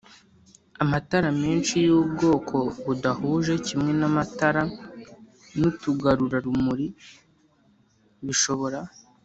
Amatara menshi y ubwoko budahuje kimwe n amatara n utugarurarumuli bishobora